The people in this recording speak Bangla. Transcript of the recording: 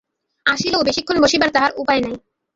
আসিলেও, বেশিক্ষণ বসিবার তাহার উপায় নাই।